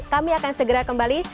kami akan segera kembali